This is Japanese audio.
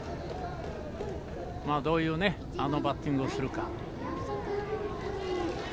どういうバッティングをするか。